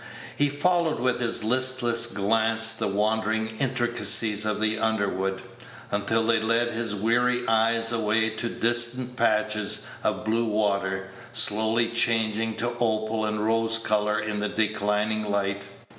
He followed with his listless glance the wandering intricacies of the underwood, until they led his weary eyes away to distant patches of blue water, slowly changing to opal and rose color in the declining light.